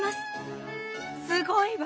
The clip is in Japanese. すごいわ！